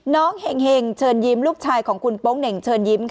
น้องห่งเชิญยิ้มลูกชายของคุณโป้งแหน่งเชินยิ้ม